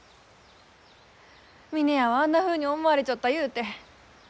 峰屋はあんなふうに思われちょったゆうて。